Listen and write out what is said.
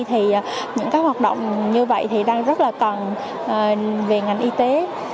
thì những cái hoạt động như vậy thì đang rất là cần về ngành y tế